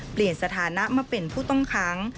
เปลี่ยนสถานะมาเป็นผู้ต้องค้าง